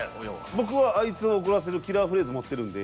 僕はあいつを怒らせるキラーフレーズ持ってるんで。